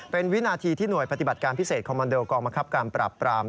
เป็นวินาทีที่หน่วยปฏิบัติการพิเศษคอมมันโดกองบังคับการปราบปราม